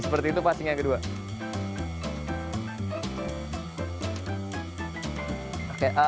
seperti itu passing yang kedua